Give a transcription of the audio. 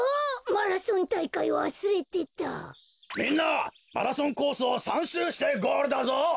マラソンコースを３しゅうしてゴールだぞ！